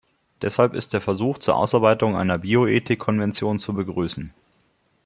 Deshalb ist der Versuch zur Ausarbeitung einer Bioethik-Konvention zu begrüßen.